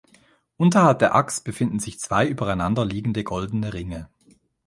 Unterhalb der Axt befinden sich zwei übereinander liegende goldene Ringe.